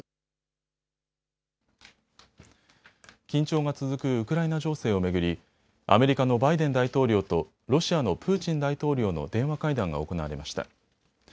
緊張が続く多くウクライナ情勢を巡り、アメリカのバイデン大統領とロシアのプーチン大統領の電話会談が行われました。